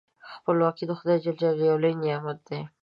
خپلواکي د خدای جل جلاله یو لوی نعمت دی.